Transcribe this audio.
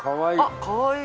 かわいい。